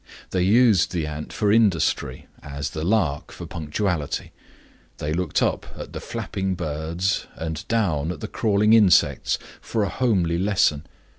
They used the ant for industry as the lark for punctuality; they looked up at the flapping birds and down at the crawling insects for a homely lesson.